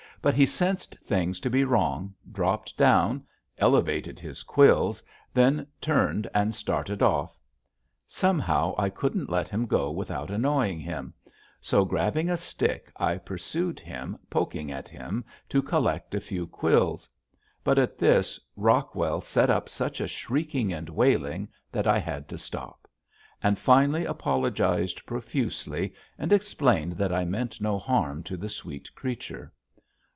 But he sensed things to be wrong, dropped down, elevated his quills, then turned and started off. Somehow I couldn't let him go without annoying him; so, grabbing a stick I pursued him poking at him to collect a few quills. But at this Rockwell set up such a shrieking and wailing that I had to stop, and finally apologized profusely and explained that I meant no harm to the sweet creature.